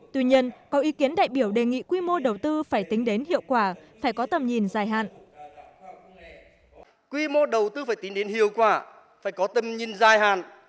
tuy nhiên có ý kiến đại biểu đề nghị quy mô đầu tư phải tính đến hiệu quả phải có tầm nhìn dài hạn